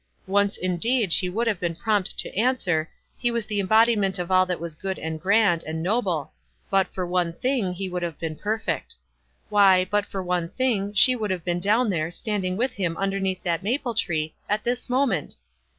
Once, indeed, she would have been prompt to answer, he was the embodiment of all that was good, and grand, and noble : but for one thing, he would have been perfect. "Why, but for one thing, she would have been down there, standing with him underneath that maple tree, at this mo ment.